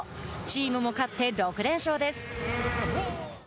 チームも勝って６連勝です。